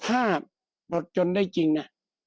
ถ้าปลดจนได้จริงนะ